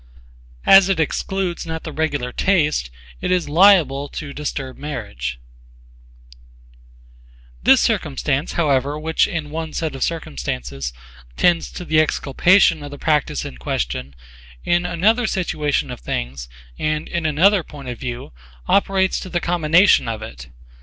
As it excludes not the regular taste, it is liable to disturb marriage This circumstance, however, which in one set of circumstances tends to the exculpation of the practise in question, in another situation of things, and, in another point of view, operates to the commination of it.